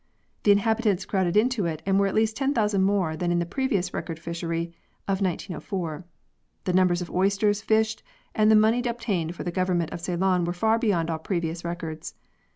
The inhabitants crowded in to it and were at least 10,000 more than in the previous record fishery of 1904. The numbers of oysters fished and the money obtained for the Government of Ceylon were far beyond all previous records.